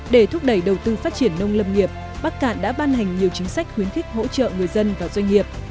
để thúc đẩy đầu tư phát triển nông lâm nghiệp bắc cạn đã ban hành nhiều chính sách khuyến khích hỗ trợ người dân và doanh nghiệp